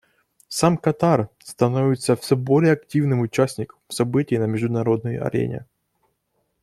Сам Катар становится все более активным участником событий на международной арене.